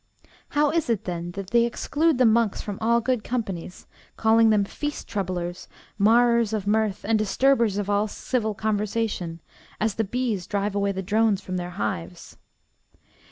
How is it, then, that they exclude the monks from all good companies, calling them feast troublers, marrers of mirth, and disturbers of all civil conversation, as the bees drive away the drones from their hives?